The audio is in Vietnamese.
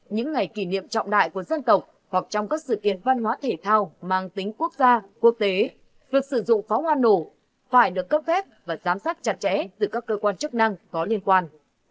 những ngày kỷ niệm trọng đại của dân tộc hoặc trong các sự kiện văn hóa thể thao mang tính quốc gia quốc tế việc sử dụng pháo hoa nổ phải được cấp phép và giám sát chặt chẽ từ các cơ quan chức năng có liên quan